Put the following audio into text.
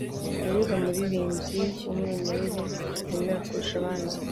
Nuwuhe muririmbyi wumwimerere wemera kurusha abandi